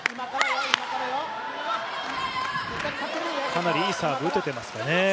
かなりいいサーブ打ててますかね。